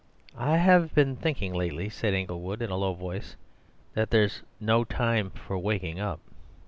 "I have been thinking lately," said Inglewood in a low voice, "that there's no time for waking up."